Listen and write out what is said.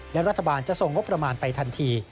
และรัฐบาลจะส่งงบประมาณไปทันที